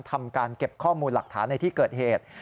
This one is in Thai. ทำการเก็บข้อมูลหลักฐานในที่เกิดเหตุ